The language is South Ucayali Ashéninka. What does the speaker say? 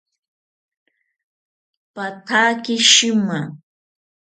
Pathaki shima